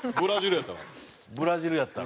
ブラジルやったら？